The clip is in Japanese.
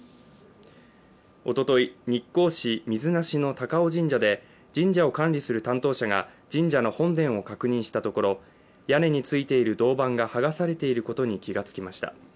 おととい、日光市水無のたかお神社で神社を管理する担当者が神社の本殿を確認したところ、屋根についている銅板が剥がされていることに気がつきました。